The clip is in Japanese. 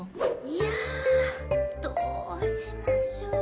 いやどうしましょう？